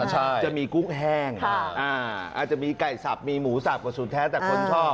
ใช่จะมีกุ้งแห้งอาจจะมีไก่สับมีหมูสับกระสุนแท้แต่คนชอบ